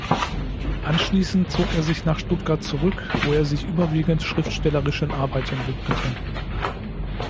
Anschließend zog er sich nach Stuttgart zurück, wo er sich überwiegend schriftstellerischen Arbeiten widmete.